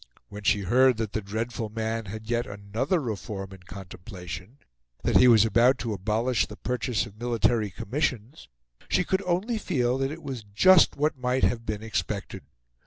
When she heard that the dreadful man had yet another reform in contemplation that he was about to abolish the purchase of military commissions she could only feel that it was just what might have been expected.